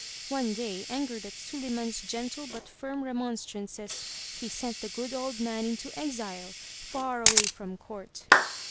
One day, angered at Suliman's gentle but firm remonstrances, he sent the good old man into exile, far away from court.